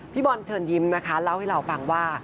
บอลเชิญยิ้มนะคะเล่าให้เราฟังว่า